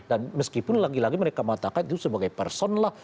dan meskipun lagi lagi mereka matakan itu sebagai person lah